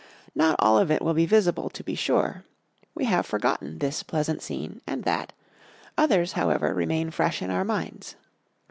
Not all of it will be visible, to be sure. We have forgotten this pleasant scene and that; others, however, remain fresh in our minds.